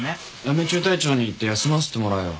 八女中隊長に言って休ませてもらえよ。